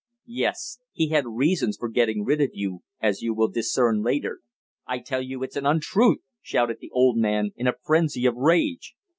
"Yes. He had reasons for getting rid of you as you will discern later." "I tell you it's an untruth!" shouted the old man, in a frenzy of rage.